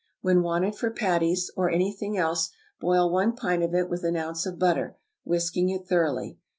When wanted for patties, or any thing else, boil one pint of it with an ounce of butter, whisking it thoroughly.